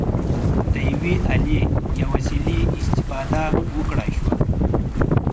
د یوې الې یا وسیلې استفاده وکړای شوه.